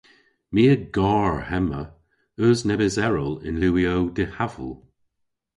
My a gar hemma. Eus nebes erel yn liwyow dihaval?